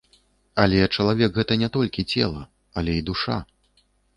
Але чалавек гэта не толькі цела, але і душа.